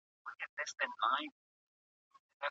که خط هر څومره ساده وي خو خپل ارزښت لري.